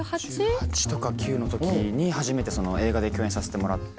１８とか１９の時に初めて映画で共演させてもらって。